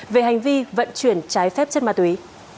về hành vi vận chuyển trái phép chất ma túy